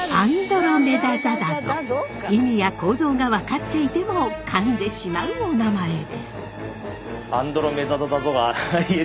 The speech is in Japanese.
意味や構造が分かっていても噛んでしまうおなまえです。